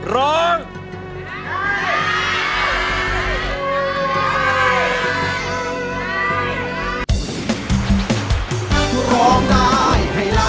ร้องได้